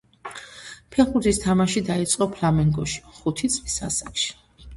ფეხბურთის თამაში დაიწყო „ფლამენგოში“ ხუთი წლის ასაკში.